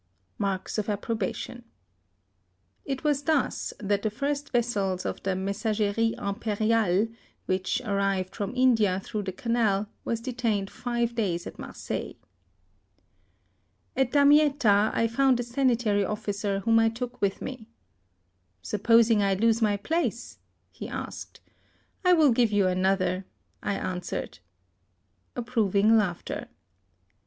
(Marks of approbation.) It was thus that the first vessel of the Mes sageries Imp^riales, which arrived from India through the Canal, was detained five days at Marseilles. At Damietta I found a sanitary oflBcer whom I took with me. " Supposing I lose my place ?" he asked. " I will give you 62 HISTORY OF another," I answered. (Approving laughter.)